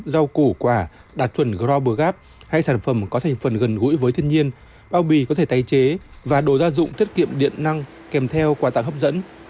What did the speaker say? rau củ quả đạt chuẩn global gap hay sản phẩm có thành phần gần gũi với thiên nhiên bao bì có thể tái chế và đồ gia dụng tiết kiệm điện năng kèm theo quà tặng hấp dẫn